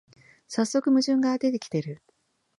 さっそく矛盾が出てきてる